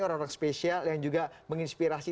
orang orang spesial yang juga menginspirasi